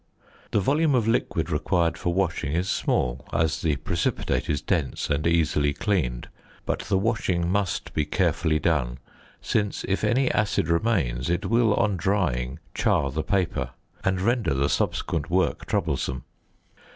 The volume of liquid required for washing is small, as the precipitate is dense and easily cleaned; but the washing must be carefully done, since if any acid remains it will, on drying, char the paper, and render the subsequent work troublesome.